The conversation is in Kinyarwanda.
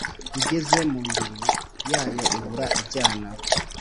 igeze mu ndiri yayo ibura ibyana